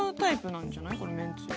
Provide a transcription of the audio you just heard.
このめんつゆ。